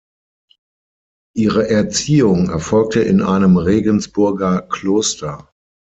Ihre Erziehung erfolgte in einem Regensburger Kloster.